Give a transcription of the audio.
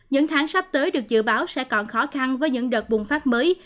những tháng sắp tới được dự báo sẽ còn khó khăn với những đợt bùng phát mới